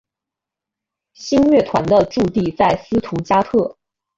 新乐团的驻地在斯图加特。